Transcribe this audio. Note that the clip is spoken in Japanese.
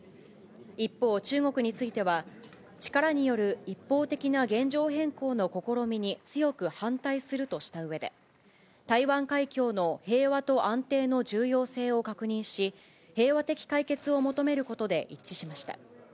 一方、中国については、力による一方的な現状変更の試みに強く反対するとしたうえで、台湾海峡の平和と安定の重要性を確認し、平和的解決を求めることで一致しました。